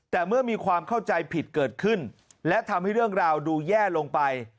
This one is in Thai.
แต่เมื่อมีความเข้าใจผิดเกิดขึ้นและทำให้เรื่องราวดูแย่ลงไป